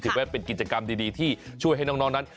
ว่าเป็นกิจกรรมดีที่ช่วยให้น้องนั้น